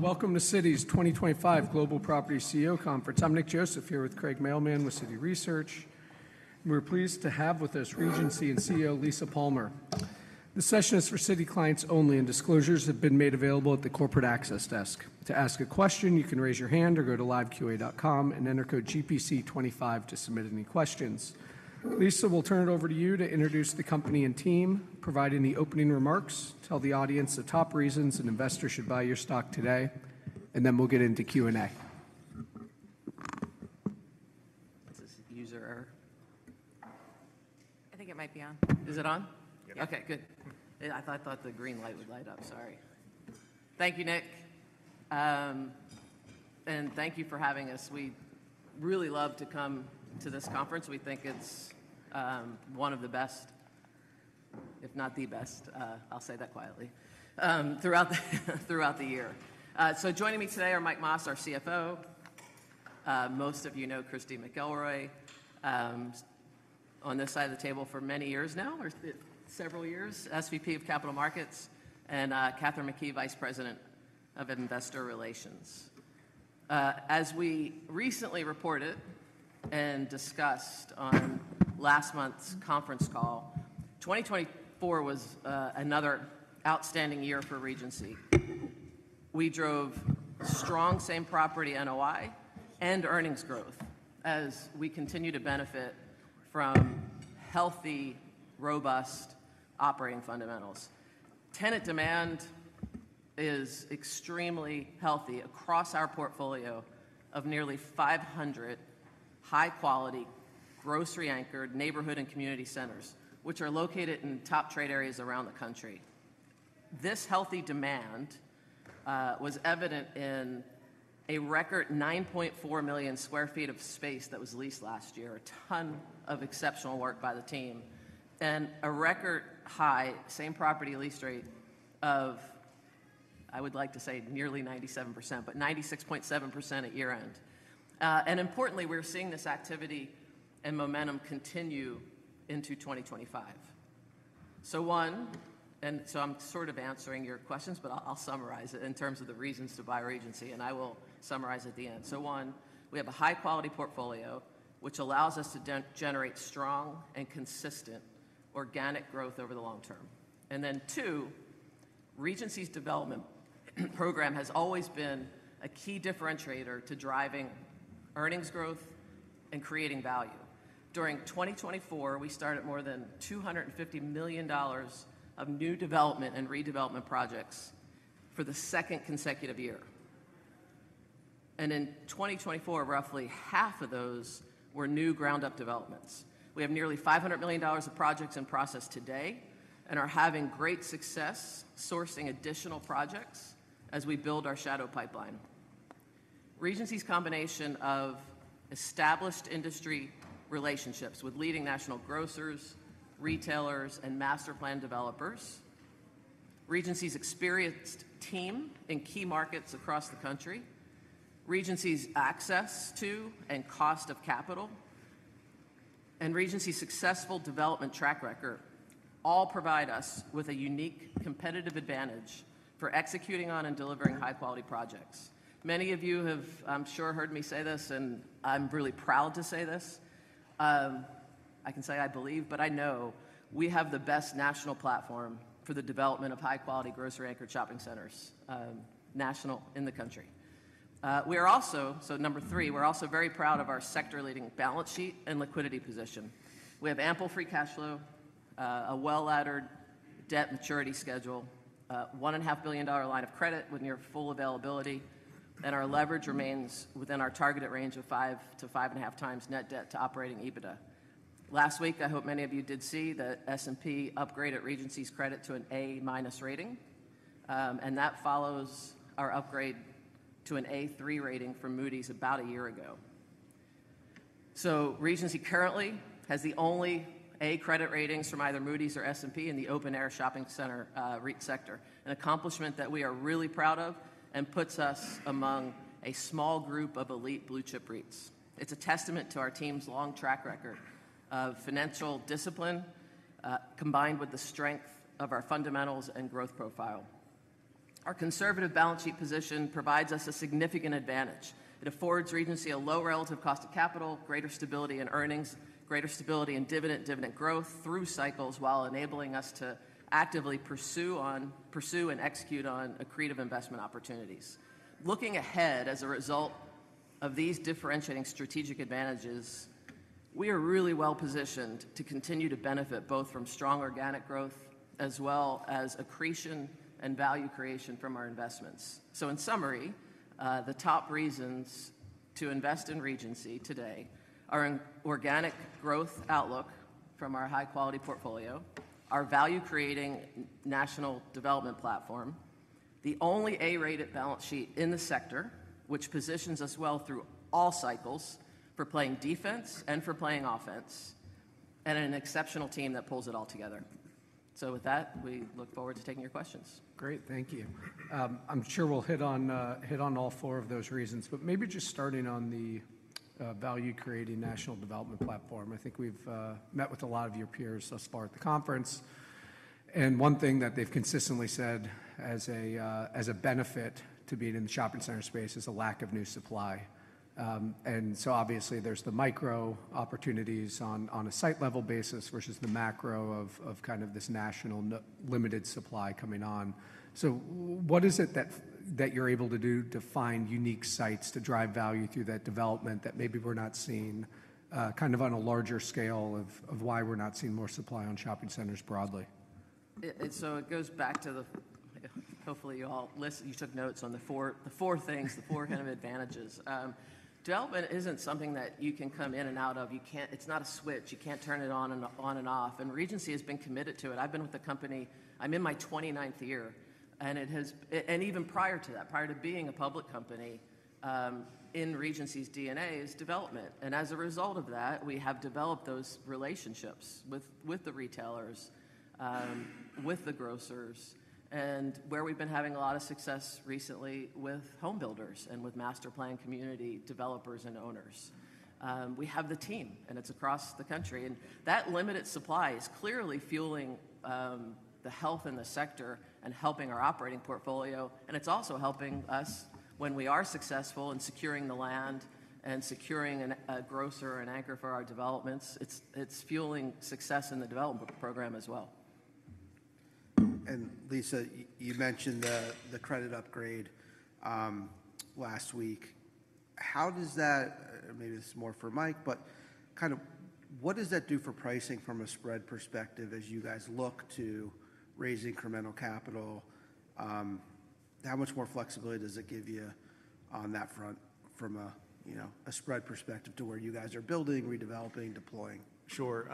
Welcome to Citi's 2025 Global Property CEO Conference. I'm Nick Joseph here with Craig Mailman with Citi Research. We're pleased to have with us Regency's CEO Lisa Palmer. The session is for Citi clients only, and disclosures have been made available at the corporate access desk. To ask a question, you can raise your hand or go to liveqa.com and enter code GPC25 to submit any questions. Lisa, we'll turn it over to you to introduce the company and team, provide any opening remarks, tell the audience the top reasons an investor should buy your stock today, and then we'll get into Q&A. That's a user error. I think it might be on. Is it on? Yeah. Okay, good. I thought the green light would light up. Sorry. Thank you, Nick, and thank you for having us. We really love to come to this conference. We think it's one of the best, if not the best. I'll say that quietly, throughout the year. So joining me today are Mike Mas, our CFO. Most of you know Christy McElroy on this side of the table for many years now, or several years, SVP of Capital Markets, and Katherine McKee, Vice President of Investor Relations. As we recently reported and discussed on last month's conference call, 2024 was another outstanding year for Regency. We drove strong Same Property NOI and earnings growth as we continue to benefit from healthy, robust operating fundamentals. Tenant demand is extremely healthy across our portfolio of nearly 500 high-quality, grocery-anchored neighborhood and community centers, which are located in top trade areas around the country. This healthy demand was evident in a record 9.4 million sq ft of space that was leased last year, a ton of exceptional work by the team, and a record high same property lease rate of, I would like to say, nearly 97%, but 96.7% at year-end, and importantly, we're seeing this activity and momentum continue into 2025. So one, and so I'm sort of answering your questions, but I'll summarize it in terms of the reasons to buy Regency, and I will summarize at the end. So one, we have a high-quality portfolio, which allows us to generate strong and consistent organic growth over the long-term, and then two, Regency's development program has always been a key differentiator to driving earnings growth and creating value. During 2024, we started more than $250 million of new development and redevelopment projects for the second consecutive year. In 2024, roughly half of those were new ground-up developments. We have nearly $500 million of projects in process today and are having great success sourcing additional projects as we build our shadow pipeline. Regency's combination of established industry relationships with leading national grocers, retailers, and master plan developers, Regency's experienced team in key markets across the country, Regency's access to and cost of capital, and Regency's successful development track record all provide us with a unique competitive advantage for executing on and delivering high-quality projects. Many of you have, I'm sure, heard me say this, and I'm really proud to say this. I can say I believe, but I know we have the best national platform for the development of high-quality grocery-anchored shopping centers national in the country. We are also, so number three, we're also very proud of our sector-leading balance sheet and liquidity position. We have ample free cash flow, a well-laddered debt maturity schedule, a $1.5 billion line of credit with near full availability, and our leverage remains within our targeted range of 5-5.5x net debt to operating EBITDA. Last week, I hope many of you did see the S&P upgrade of Regency's credit to an A- rating, and that follows our upgrade to an A3 rating from Moody's about a year ago, so Regency currently has the only A- credit ratings from either Moody's or S&P in the open-air shopping center REIT sector, an accomplishment that we are really proud of and puts us among a small group of elite blue-chip REITs. It's a testament to our team's long track record of financial discipline combined with the strength of our fundamentals and growth profile. Our conservative balance sheet position provides us a significant advantage. It affords Regency a low relative cost of capital, greater stability in earnings, greater stability in dividend growth through cycles while enabling us to actively pursue and execute on accretive investment opportunities. Looking ahead as a result of these differentiating strategic advantages, we are really well positioned to continue to benefit both from strong organic growth as well as accretion and value creation from our investments. So in summary, the top reasons to invest in Regency today are an organic growth outlook from our high-quality portfolio, our value-creating national development platform, the only A-rated balance sheet in the sector, which positions us well through all cycles for playing defense and for playing offense, and an exceptional team that pulls it all together. So with that, we look forward to taking your questions. Great. Thank you. I'm sure we'll hit on all four of those reasons, but maybe just starting on the value-creating national development platform. I think we've met with a lot of your peers thus far at the conference, and one thing that they've consistently said as a benefit to being in the shopping center space is a lack of new supply. And so obviously, there's the micro opportunities on a site-level basis versus the macro of kind of this national limited supply coming on. So what is it that you're able to do to find unique sites to drive value through that development that maybe we're not seeing kind of on a larger scale of why we're not seeing more supply on shopping centers broadly? And so it goes back to the hopefully you all listened you took notes on the four things, the four kind of advantages. Development isn't something that you can come in and out of. You can't. It's not a switch. You can't turn it on and off. And Regency has been committed to it. I've been with the company. I'm in my 29th year, and it has and even prior to that, prior to being a public company. In Regency's DNA is development. And as a result of that, we have developed those relationships with the retailers, with the grocers, and where we've been having a lot of success recently with homebuilders and with master plan community developers and owners. We have the team, and it's across the country. And that limited supply is clearly fueling the health in the sector and helping our operating portfolio. And it's also helping us when we are successful in securing the land and securing a grocer or an anchor for our developments. It's fueling success in the development program as well. Lisa, you mentioned the credit upgrade last week. How does that maybe this is more for Mike, but kind of what does that do for pricing from a spread perspective as you guys look to raise incremental capital? How much more flexibility does it give you on that front from a spread perspective to where you guys are building, redeveloping, deploying? Sure.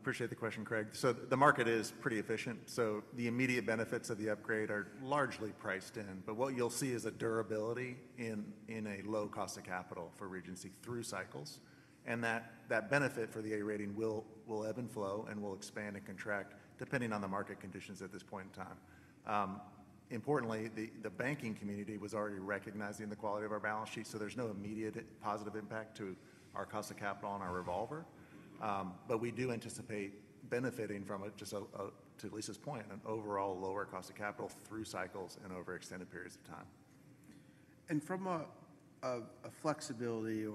Appreciate the question, Craig. So the market is pretty efficient. So the immediate benefits of the upgrade are largely priced in, but what you'll see is a durability in a low cost of capital for Regency through cycles. And that benefit for the A-rating will ebb and flow and will expand and contract depending on the market conditions at this point in time. Importantly, the banking community was already recognizing the quality of our balance sheet, so there's no immediate positive impact to our cost of capital on our revolver. But we do anticipate benefiting from it, just to Lisa's point, an overall lower cost of capital through cycles and over extended periods of time. In terms of flexibility in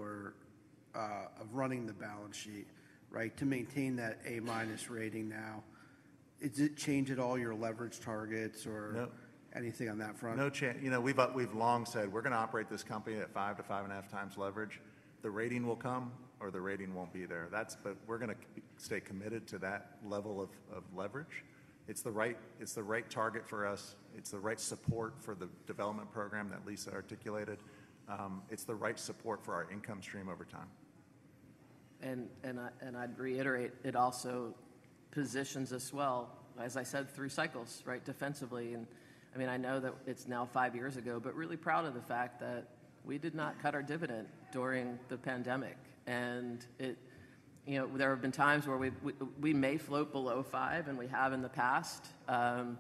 running the balance sheet, right, to maintain that A- rating now, does it change at all your leverage targets or anything on that front? No change. You know, we've long said we're going to operate this company at five to five and a half times leverage. The rating will come or the rating won't be there. That's, but we're going to stay committed to that level of leverage. It's the right target for us. It's the right support for the development program that Lisa articulated. It's the right support for our income stream over time. And I'd reiterate, it also positions us well, as I said, through cycles, right, defensively. And I mean, I know that it's now five years ago, but really proud of the fact that we did not cut our dividend during the pandemic. And there have been times where we may float below five, and we have in the past. And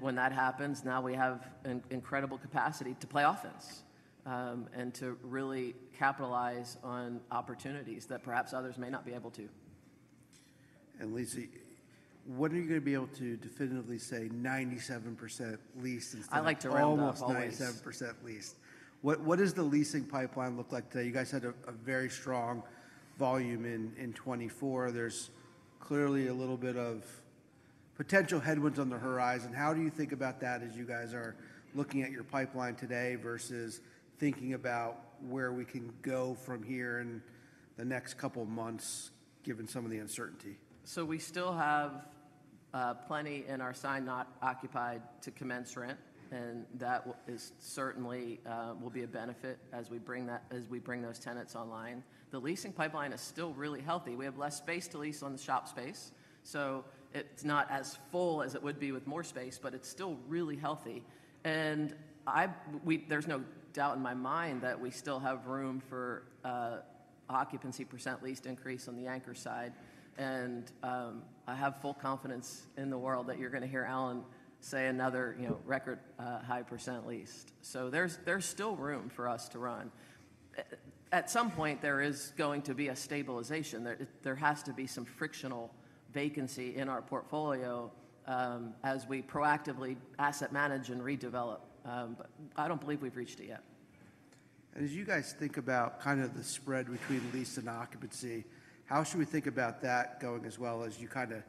when that happens, now we have incredible capacity to play offense and to really capitalize on opportunities that perhaps others may not be able to. Lisa, what are you going to be able to definitively say 97% leased instead of I like to write off all this. almost 97% leased? What does the leasing pipeline look like today? You guys had a very strong volume in 2024. There's clearly a little bit of potential headwinds on the horizon. How do you think about that as you guys are looking at your pipeline today versus thinking about where we can go from here in the next couple of months, given some of the uncertainty? So we still have plenty in our signed not occupied to commence rent, and that certainly will be a benefit as we bring those tenants online. The leasing pipeline is still really healthy. We have less space to lease on the shop space, so it's not as full as it would be with more space, but it's still really healthy. And there's no doubt in my mind that we still have room for occupancy percent leased increase on the anchor side. And I have full confidence in the world that you're going to hear Alan say another record high percent leased. So there's still room for us to run. At some point, there is going to be a stabilization. There has to be some frictional vacancy in our portfolio as we proactively asset manage and redevelop. But I don't believe we've reached it yet. As you guys think about kind of the spread between lease and occupancy, how should we think about that going as well as you kind of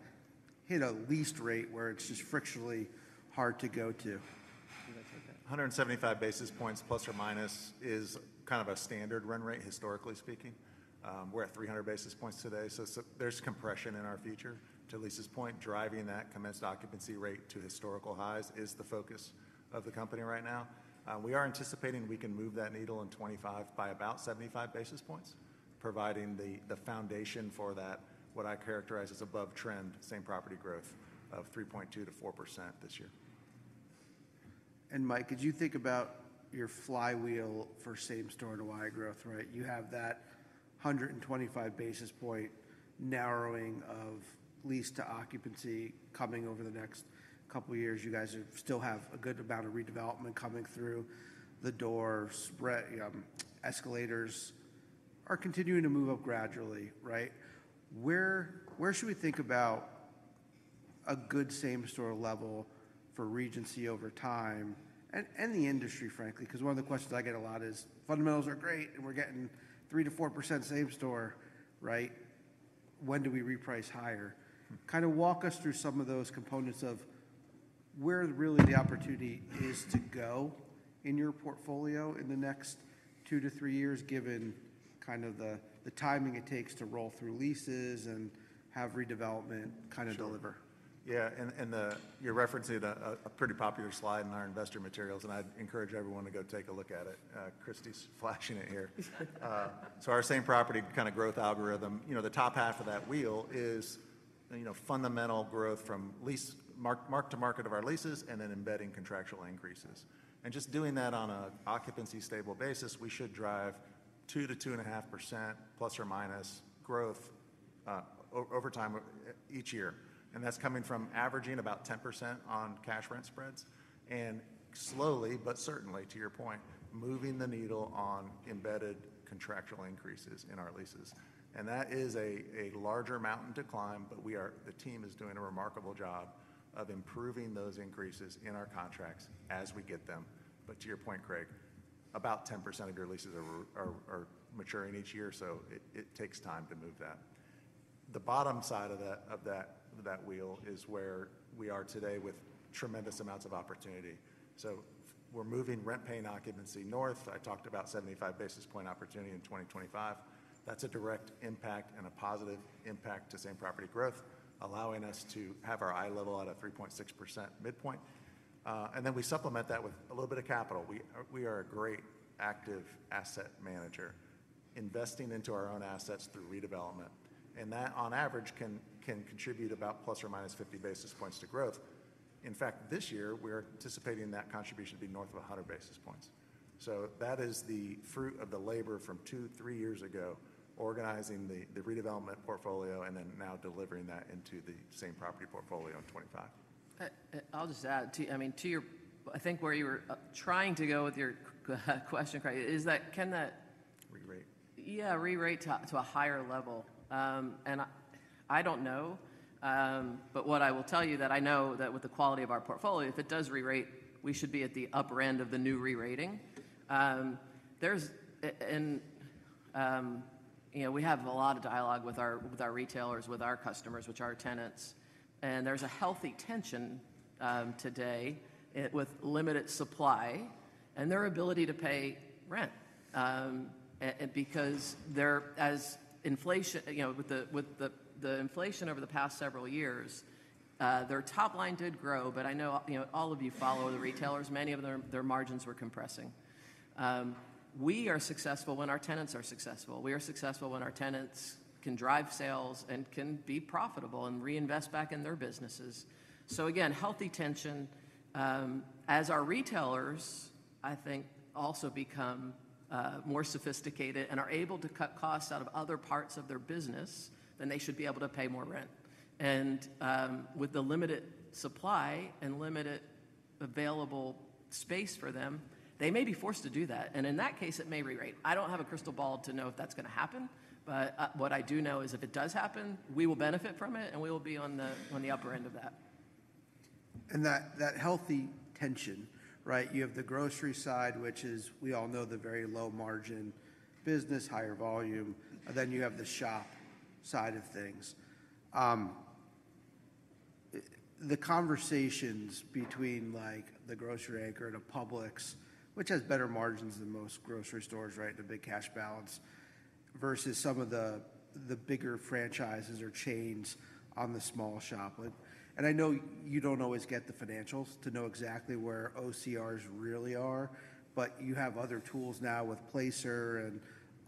hit a lease rate where it's just frictionally hard to go to? 175 basis points ± is kind of a standard run rate, historically speaking. We're at 300 basis points today. So there's compression in our future. To Lisa's point, driving that commenced occupancy rate to historical highs is the focus of the company right now. We are anticipating we can move that needle in 2025 by about 75 basis points, providing the foundation for that, what I characterize as above trend, same property growth of 3.2% to 4% this year. Mike, as you think about your flywheel for same store to Y growth, right, you have that 125 basis point narrowing of lease to occupancy coming over the next couple of years. You guys still have a good amount of redevelopment coming through the door. Escalators are continuing to move up gradually, right? Where should we think about a good same store level for Regency over time and the industry, frankly? Because one of the questions I get a lot is fundamentals are great and we're getting 3%-4% same store, right? When do we reprice higher? Kind of walk us through some of those components of where really the opportunity is to go in your portfolio in the next two to three years, given kind of the timing it takes to roll through leases and have redevelopment kind of deliver. Yeah, and you're referencing a pretty popular slide in our investor materials, and I'd encourage everyone to go take a look at it. Christy's flashing it here. So our same property kind of growth algorithm, you know, the top half of that wheel is fundamental growth from lease mark to market of our leases and then embedding contractual increases. And just doing that on an occupancy stable basis, we should drive 2%-2.5%± growth over time each year. And that's coming from averaging about 10% on cash rent spreads and slowly, but certainly, to your point, moving the needle on embedded contractual increases in our leases. And that is a larger mountain to climb, but the team is doing a remarkable job of improving those increases in our contracts as we get them. But to your point, Craig, about 10% of your leases are maturing each year, so it takes time to move that. The bottom side of that wheel is where we are today with tremendous amounts of opportunity. So we're moving rent-paying occupancy north. I talked about 75 basis point opportunity in 2025. That's a direct impact and a positive impact to same property growth, allowing us to have our eye level at a 3.6% midpoint. And then we supplement that with a little bit of capital. We are a great active asset manager investing into our own assets through redevelopment. And that, on average, can contribute about ±50 basis points to growth. In fact, this year, we are anticipating that contribution to be north of 100 basis points. So that is the fruit of the labor from two, three years ago, organizing the redevelopment portfolio and then now delivering that into the same property portfolio in 2025. I'll just add to, I mean, to your, I think, where you were trying to go with your question, Craig, is that can that. Rerate. Yeah, re-rate to a higher level, and I don't know, but what I will tell you that I know that with the quality of our portfolio, if it does re-rate, we should be at the upper end of the new re-rating, and we have a lot of dialogue with our retailers, with our customers, which are our tenants, and there's a healthy tension today with limited supply and their ability to pay rent because they're as inflation, you know, with the inflation over the past several years, their top line did grow, but I know all of you follow the retailers. Many of their margins were compressing. We are successful when our tenants are successful. We are successful when our tenants can drive sales and can be profitable and reinvest back in their businesses. So again, healthy tension as our retailers, I think, also become more sophisticated and are able to cut costs out of other parts of their business than they should be able to pay more rent. And with the limited supply and limited available space for them, they may be forced to do that. And in that case, it may re-rate. I don't have a crystal ball to know if that's going to happen, but what I do know is if it does happen, we will benefit from it and we will be on the upper end of that. And that healthy tension, right? You have the grocery side, which is, we all know, the very low margin business, higher volume. Then you have the shop side of things. The conversations between the grocery anchor and a Publix, which has better margins than most grocery stores, right? The big cash balance versus some of the bigger franchises or chains on the small shop. And I know you don't always get the financials to know exactly where OCRs really are, but you have other tools now with Placer and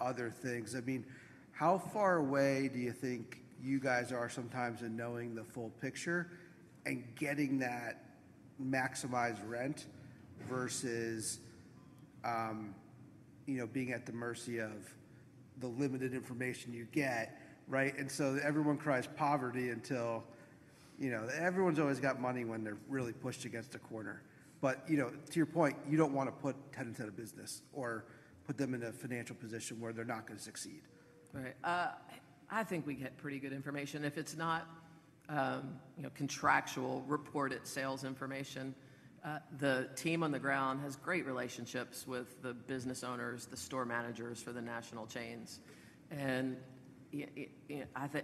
other things. I mean, how far away do you think you guys are sometimes in knowing the full picture and getting that maximized rent versus being at the mercy of the limited information you get, right? And so everyone cries poverty until everyone's always got money when they're really pushed against a corner. But to your point, you don't want to put tenants out of business or put them in a financial position where they're not going to succeed. Right. I think we get pretty good information. If it's not contractual reported sales information, the team on the ground has great relationships with the business owners, the store managers for the national chains. And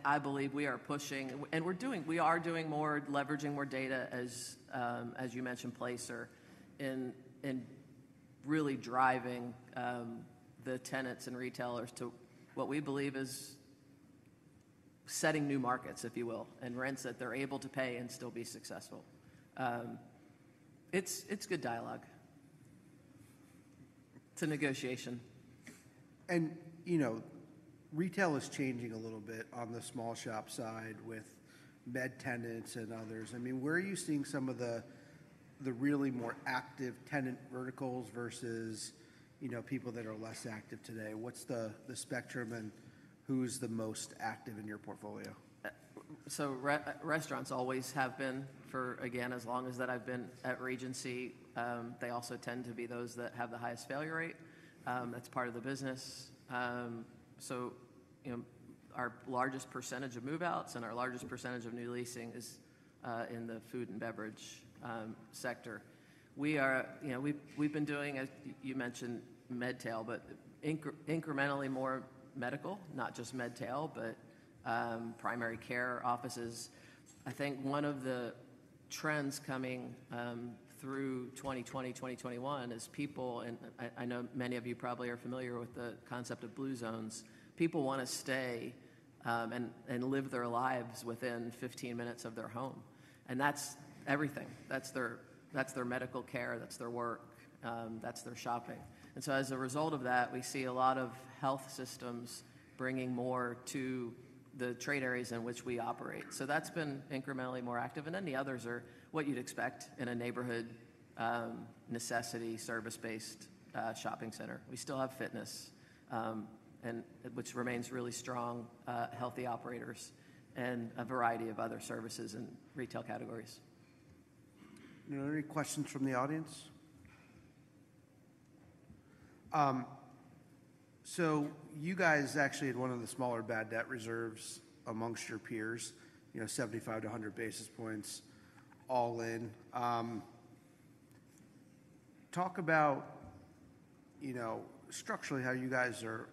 I believe we are pushing and we're doing more leveraging more data, as you mentioned, Placer, in really driving the tenants and retailers to what we believe is setting new markets, if you will, and rents that they're able to pay and still be successful. It's good dialogue to negotiation. You know, retail is changing a little bit on the small shop side with med tenants and others. I mean, where are you seeing some of the really more active tenant verticals versus people that are less active today? What's the spectrum and who's the most active in your portfolio? So restaurants always have been for, again, as long as that I've been at Regency, they also tend to be those that have the highest failure rate. That's part of the business. So our largest percentage of move-outs and our largest percentage of new leasing is in the food and beverage sector. We've been doing, as you mentioned, medtail, but incrementally more medical, not just medtail, but primary care offices. I think one of the trends coming through 2020, 2021 is people, and I know many of you probably are familiar with the concept of Blue Zones. People want to stay and live their lives within 15 minutes of their home. And that's everything. That's their medical care. That's their work. That's their shopping. And so as a result of that, we see a lot of health systems bringing more to the trade areas in which we operate. So that's been incrementally more active. And then the others are what you'd expect in a neighborhood necessity service-based shopping center. We still have fitness, which remains really strong, healthy operators, and a variety of other services and retail categories. Any questions from the audience? So you guys actually had one of the smaller bad debt reserves amongst your peers, 75-100 basis points all in. Talk about structurally how you guys are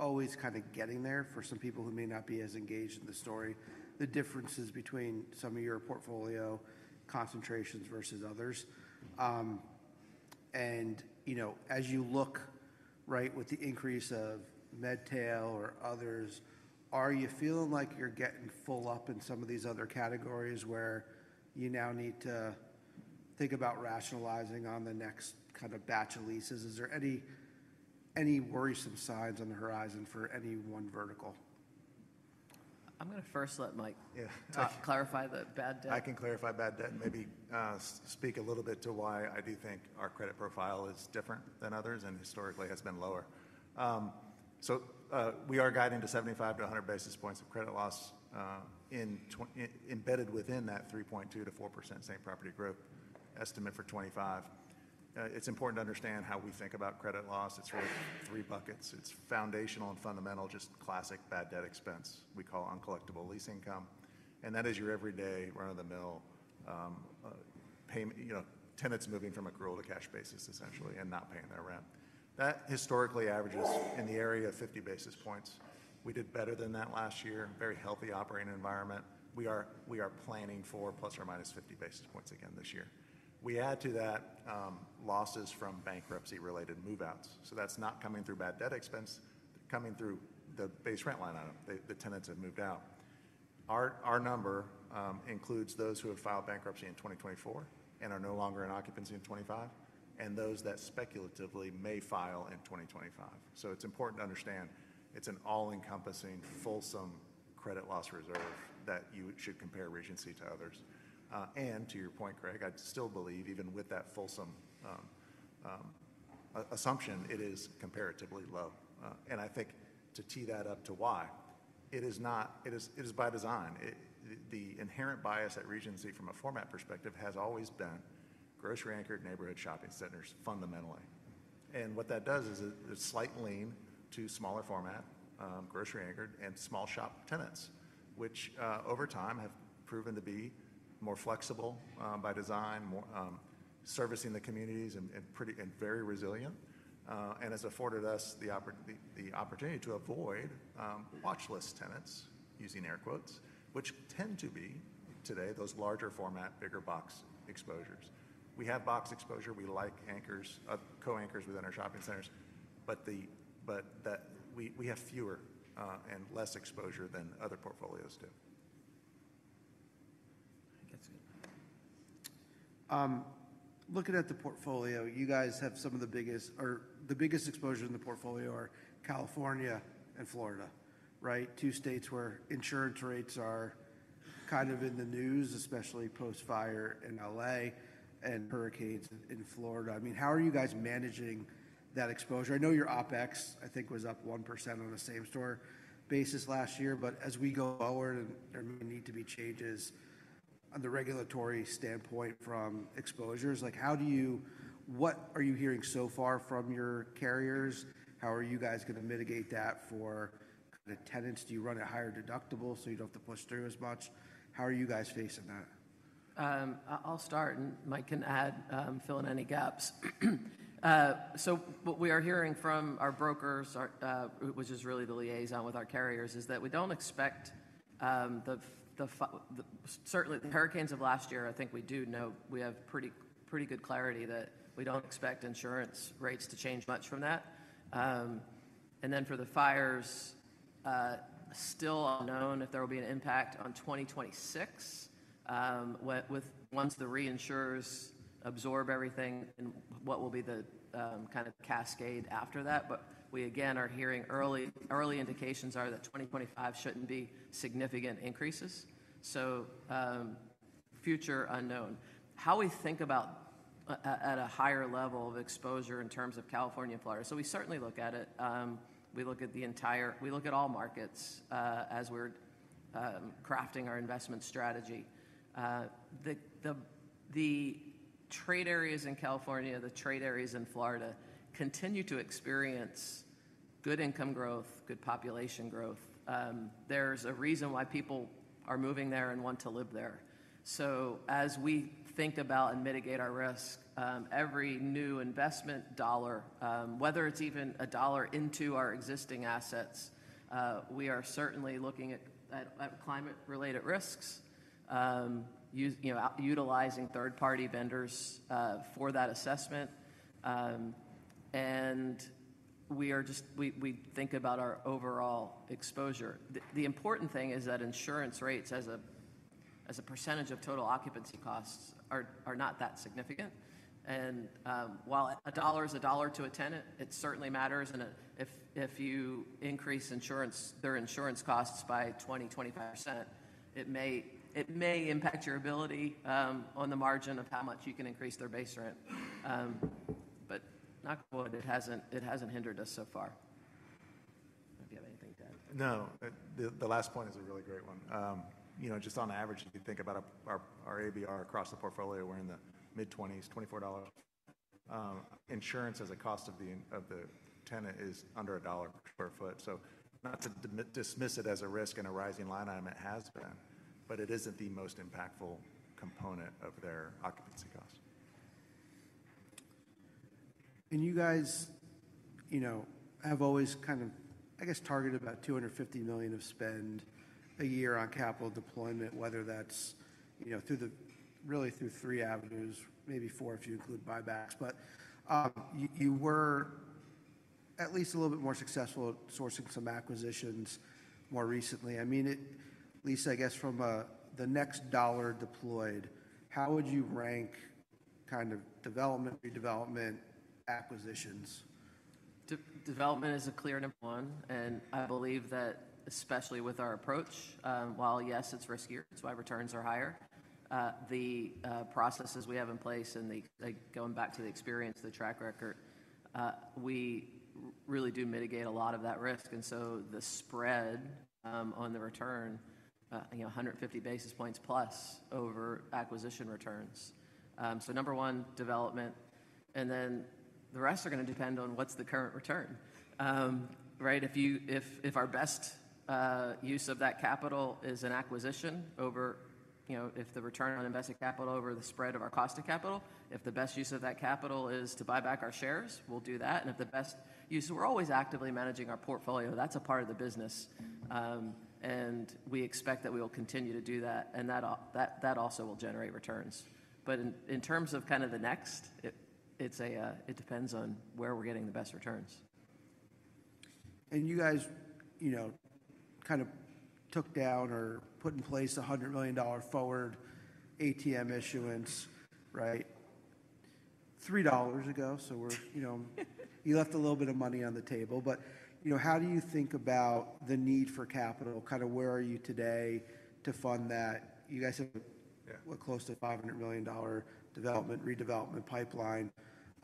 always kind of getting there for some people who may not be as engaged in the story, the differences between some of your portfolio concentrations versus others. As you look, right, with the increase of Medtail or others, are you feeling like you're getting full up in some of these other categories where you now need to think about rationalizing on the next kind of batch of leases? Is there any worrisome signs on the horizon for any one vertical? I'm going to first let Mike clarify the bad debt. I can clarify bad debt and maybe speak a little bit to why I do think our credit profile is different than others and historically has been lower. We are guiding to 75-100 basis points of credit loss embedded within that 3.2%-4% Same Property estimate for 2025. It is important to understand how we think about credit loss. It is really three buckets. It is foundational and fundamental, just classic bad debt expense we call uncollectible lease income. And that is your everyday run-of-the-mill tenants moving from accrual to cash basis, essentially, and not paying their rent. That historically averages in the area of 50 basis points. We did better than that last year, very healthy operating environment. We are planning for ±50 basis points again this year. We add to that losses from bankruptcy-related move-outs. So that is not coming through bad debt expense. They're coming through the base rent line item. The tenants have moved out. Our number includes those who have filed bankruptcy in 2024 and are no longer in occupancy in 2025 and those that speculatively may file in 2025. So it's important to understand it's an all-encompassing fulsome credit loss reserve that you should compare Regency to others. And to your point, Craig, I still believe even with that fulsome assumption, it is comparatively low. And I think to tee that up to why, it is by design. The inherent bias at Regency from a format perspective has always been grocery-anchored neighborhood shopping centers fundamentally. What that does is it’s a slight lean to smaller format grocery-anchored and small shop tenants, which over time have proven to be more flexible by design, servicing the communities and very resilient, and has afforded us the opportunity to avoid watchlist tenants using air quotes, which tend to be today those larger format, bigger box exposures. We have box exposure. We like co-anchors within our shopping centers, but we have fewer and less exposure than other portfolios do. Looking at the portfolio, you guys have some of the biggest exposure in the portfolio are California and Florida, right? Two states where insurance rates are kind of in the news, especially post-fire in L.A. and hurricanes in Florida. I mean, how are you guys managing that exposure? I know your OpEx, I think, was up 1% on the same store basis last year, but as we go forward and there may need to be changes on the regulatory standpoint from exposures, like what are you hearing so far from your carriers? How are you guys going to mitigate that for kind of tenants? Do you run a higher deductible so you don't have to push through as much? How are you guys facing that? I'll start and Mike can add, fill in any gaps. So what we are hearing from our brokers, which is really the liaison with our carriers, is that we don't expect the hurricanes of last year. I think we have pretty good clarity that we don't expect insurance rates to change much from that, and then for the fires, still unknown if there will be an impact on 2026 once the reinsurers absorb everything and what will be the kind of cascade after that but we, again, are hearing early indications that 2025 shouldn't be significant increases, so future unknown. How we think about at a higher level of exposure in terms of California and Florida, so we certainly look at it. We look at all markets as we're crafting our investment strategy. The trade areas in California, the trade areas in Florida continue to experience good income growth, good population growth. There's a reason why people are moving there and want to live there. So as we think about and mitigate our risk, every new investment dollar, whether it's even a dollar into our existing assets, we are certainly looking at climate-related risks, utilizing third-party vendors for that assessment. And we think about our overall exposure. The important thing is that insurance rates as a percentage of total occupancy costs are not that significant. And while a dollar is a dollar to a tenant, it certainly matters. And if you increase their insurance costs by 20%-25%, it may impact your ability on the margin of how much you can increase their base rent. But knock on wood, it hasn't hindered us so far. If you have anything to add. No. The last point is a really great one. Just on average, if you think about our ABR across the portfolio, we're in the mid-20s, $24. Insurance as a cost of the tenant is under $1 per sq ft. So not to dismiss it as a risk in a rising line item, it has been, but it isn't the most impactful component of their occupancy cost. You guys have always kind of, I guess, targeted about $250 million of spend a year on capital deployment, whether that's really through three avenues, maybe four if you include buybacks. You were at least a little bit more successful at sourcing some acquisitions more recently. I mean, Lisa, I guess from the next dollar deployed, how would you rank kind of development, redevelopment, acquisitions? Development is a clear number one. I believe that especially with our approach, while yes, it's riskier, it's why returns are higher, the processes we have in place and going back to the experience, the track record, we really do mitigate a lot of that risk. So the spread on the return, 150 basis points+ over acquisition returns. Number one, development. Then the rest are going to depend on what's the current return, right? If our best use of that capital is an acquisition over if the return on invested capital over the spread of our cost of capital, if the best use of that capital is to buy back our shares, we'll do that. If the best use we're always actively managing our portfolio. That's a part of the business. We expect that we will continue to do that. That also will generate returns. In terms of kind of the next, it depends on where we're getting the best returns. And you guys kind of took down or put in place a $100 million forward ATM issuance, right, $3 ago. So you left a little bit of money on the table. But how do you think about the need for capital? Kind of where are you today to fund that? You guys have close to a $500 million development redevelopment pipeline.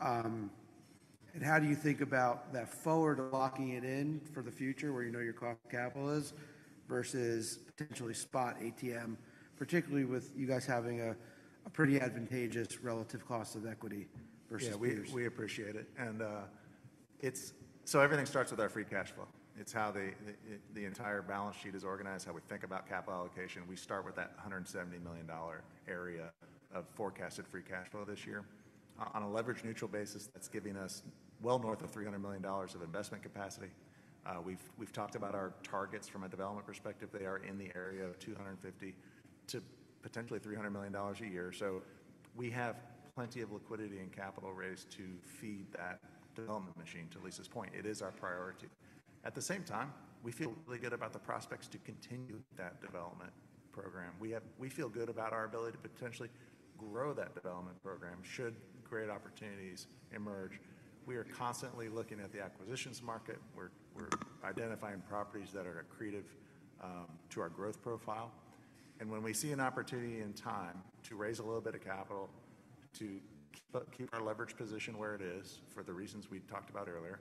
And how do you think about that forward locking it in for the future where you know your cost of capital is versus potentially spot ATM, particularly with you guys having a pretty advantageous relative cost of equity versus peers? Yeah, we appreciate it, and so everything starts with our free cash flow. It's how the entire balance sheet is organized, how we think about capital allocation. We start with that $170 million area of forecasted free cash flow this year. On a leveraged neutral basis, that's giving us well north of $300 million of investment capacity. We've talked about our targets from a development perspective. They are in the area of $250 to potentially $300 million a year, so we have plenty of liquidity and capital raised to feed that development machine. To Lisa's point, it is our priority. At the same time, we feel really good about the prospects to continue that development program. We feel good about our ability to potentially grow that development program should great opportunities emerge. We are constantly looking at the acquisitions market. We're identifying properties that are accretive to our growth profile. And when we see an opportunity in time to raise a little bit of capital to keep our leverage position where it is for the reasons we talked about earlier,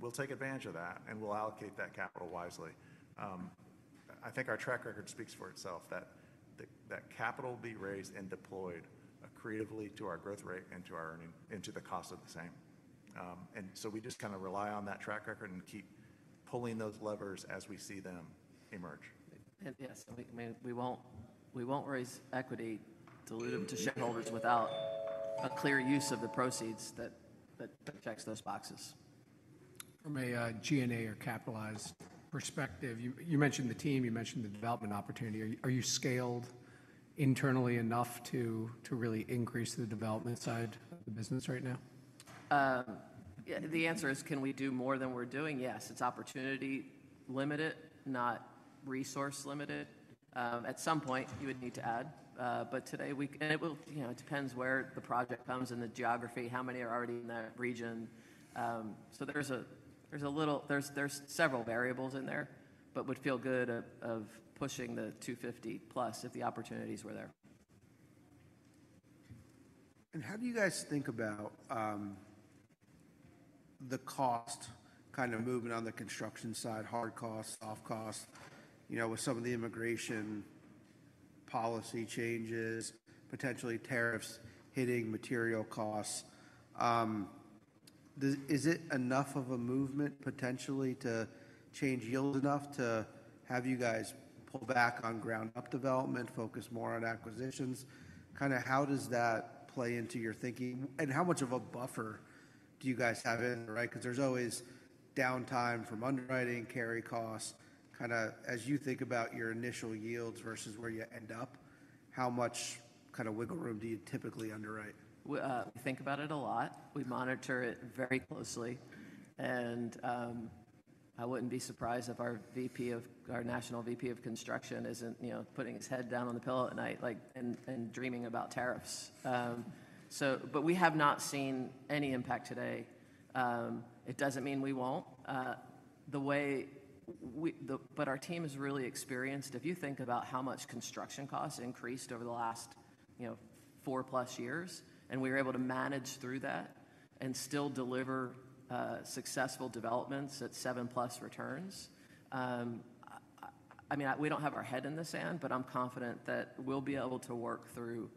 we'll take advantage of that and we'll allocate that capital wisely. I think our track record speaks for itself that capital will be raised and deployed accretively to our growth rate and to our earning into the cost of the same. And so we just kind of rely on that track record and keep pulling those levers as we see them emerge. Yes, we won't raise equity dilutive to shareholders without a clear use of the proceeds that checks those boxes. From a G&A or capitalized perspective, you mentioned the team, you mentioned the development opportunity. Are you scaled internally enough to really increase the development side of the business right now? The answer is, can we do more than we're doing? Yes. It's opportunity limited, not resource limited. At some point, you would need to add. But today, it depends where the project comes and the geography, how many are already in that region. So there's several variables in there, but would feel good of pushing the 250+ if the opportunities were there. How do you guys think about the cost kind of moving on the construction side, hard cost, soft cost, with some of the immigration policy changes, potentially tariffs hitting material costs? Is it enough of a movement potentially to change yield enough to have you guys pull back on ground-up development, focus more on acquisitions? Kind of how does that play into your thinking? And how much of a buffer do you guys have in, right? Because there's always downtime from underwriting, carry costs. Kind of as you think about your initial yields versus where you end up, how much kind of wiggle room do you typically underwrite? We think about it a lot. We monitor it very closely, and I wouldn't be surprised if our national VP of construction isn't putting his head down on the pillow at night and dreaming about tariffs. But we have not seen any impact today. It doesn't mean we won't, but our team is really experienced. If you think about how much construction costs increased over the last four+ years and we were able to manage through that and still deliver successful developments at seven-plus returns, I mean, we don't have our head in the sand, but I'm confident that we'll be able to work through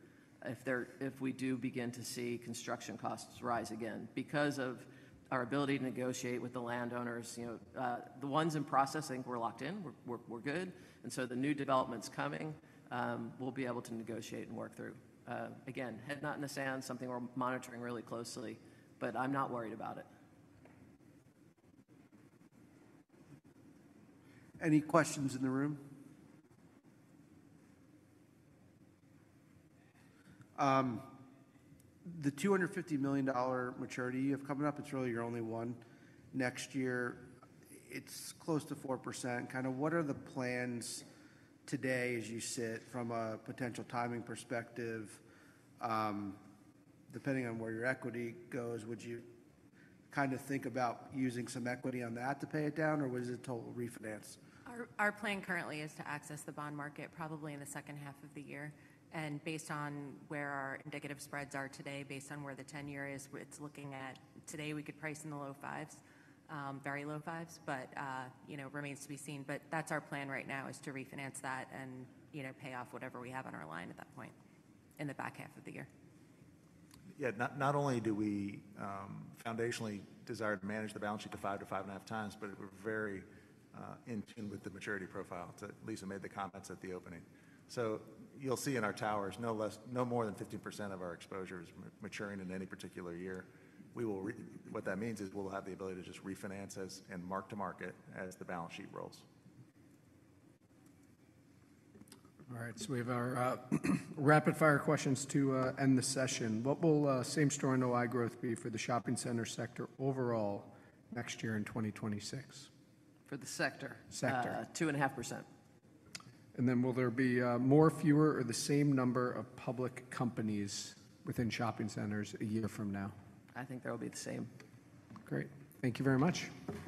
if we do begin to see construction costs rise again. Because of our ability to negotiate with the landowners, the ones in processing, we're locked in, we're good, and so the new development's coming, we'll be able to negotiate and work through. Again, head not in the sand, something we're monitoring really closely, but I'm not worried about it. Any questions in the room? The $250 million maturity you have coming up, it's really your only one next year. It's close to 4%. Kind of what are the plans today as you sit from a potential timing perspective? Depending on where your equity goes, would you kind of think about using some equity on that to pay it down, or would it total refinance? Our plan currently is to access the bond market probably in the second half of the year. And based on where our indicative spreads are today, based on where the 10-year is, it's looking at today, we could price in the low fives, very low fives, but remains to be seen. But that's our plan right now is to refinance that and pay off whatever we have on our line at that point in the back half of the year. Yeah, not only do we foundationally desire to manage the balance sheet to 5-5.5x, but we're very in tune with the maturity profile. Lisa made the comments at the opening. So you'll see in our towers, no more than 15% of our exposure is maturing in any particular year. What that means is we'll have the ability to just refinance us and mark to market as the balance sheet rolls. All right. So we have our rapid-fire questions to end the session. What will same-store and OI growth be for the shopping center sector overall next year in 2026? For the sector? Sector. 2.5%. Will there be more, fewer, or the same number of public companies within shopping centers a year from now? I think there will be the same. Great. Thank you very much.